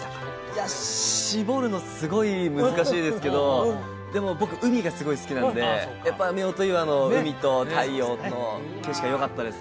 いや絞るのすごい難しいですけどでも僕海がすごい好きなんでやっぱ夫婦岩の海と太陽の景色がよかったですね